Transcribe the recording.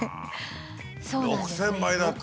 ６，０００倍だって。